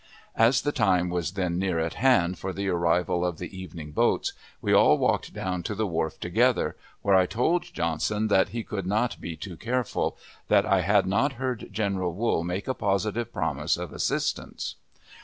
As the time was then near at hand for the arrival of the evening boats, we all walked down to the wharf together, where I told Johnson that he could not be too careful; that I had not heard General Wool make a positive promise of assistance.